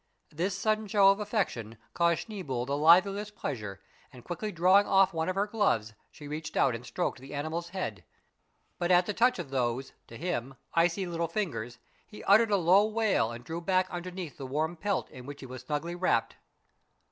This sudden show of affection caused Schneeboule the liveliest pleasure, and quickly drawing off one of her gloves she reached out and stroked the animal's head, but at the touch of those, to him, icy little fingers he uttered a low wail and drew back underneath the warm pelt in which he was snugly wrapped.